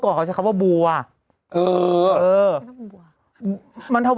แต่อาจจะส่งมาแต่อาจจะส่งมา